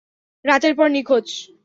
রাতের পর নিখোঁজ।